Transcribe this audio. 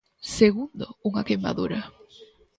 Segundo, unha queimadura.